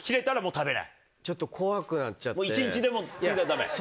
もう一日でも全然ダメ？